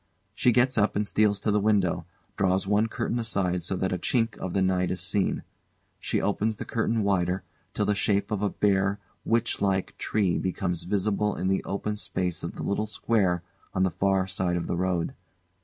She gets up and steals to the window, draws one curtain aside so that a chink of the night is seen. She opens the curtain wider, till the shape of a bare, witch like tree becomes visible in the open space of the little Square on the far side of the road.